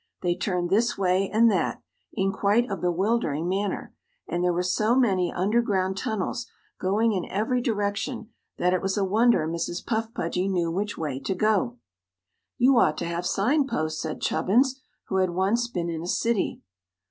They turned this way and that, in quite a bewildering manner, and there were so many underground tunnels going in every direction that it was a wonder Mrs. Puff Pudgy knew which way to go. "You ought to have sign posts," said Chubbins, who had once been in a city.